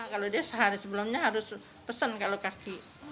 kalau dia sehari sebelumnya harus pesan kalau kaki